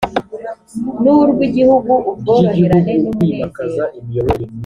n urw igihugu ubworoherane numunezero